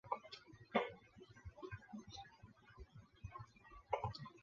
雅布龙河畔蒙布谢尔人口变化图示